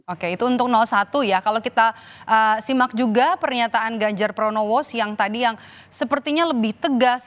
oke itu untuk satu ya kalau kita simak juga pernyataan ganjar pranowo siang tadi yang sepertinya lebih tegas